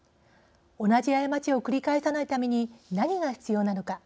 同じ過ちを繰り返さないために何が必要なのか。